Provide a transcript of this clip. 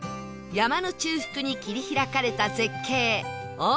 山の中腹に切り開かれた絶景